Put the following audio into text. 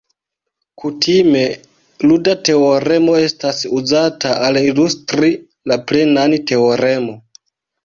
Kutime, luda teoremo estas uzata al ilustri la plenan teoremo.